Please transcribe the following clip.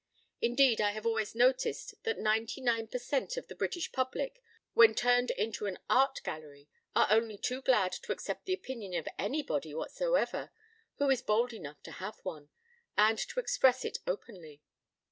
Indeed, I have always noticed that ninety nine per cent. of the British public, when turned into an art gallery, are only too glad to accept the opinion of anybody whatsoever, who is bold enough to have one, and to express it openly.